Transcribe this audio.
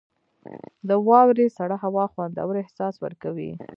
• د واورې سړه هوا خوندور احساس ورکوي.